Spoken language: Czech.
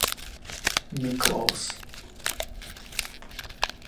Miklós.